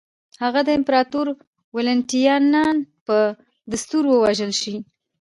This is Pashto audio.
هغه د امپراتور والنټینیان په دستور ووژل شي.